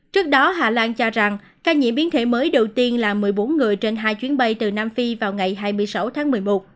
trước đó hà lan cho rằng ca nhiễm biến thể mới đầu tiên là một mươi bốn người trên hai chuyến bay từ nam phi vào ngày hai mươi sáu tháng một mươi một